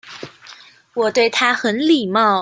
我對他很禮貌